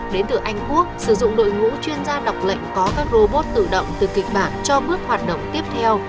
đến từ anh quốc sử dụng đội ngũ chuyên gia đọc lệnh có các robot tự động từ kịch bản cho bước hoạt động tiếp theo